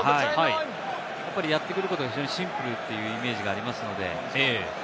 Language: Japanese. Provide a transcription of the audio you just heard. やってくることが非常にシンプルというイメージがありますので。